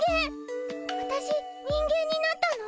わたし人間になったの？